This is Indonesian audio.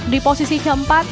di posisi keempat